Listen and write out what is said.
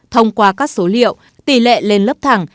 thông qua các số liệu tỷ lệ lên lớp thẳng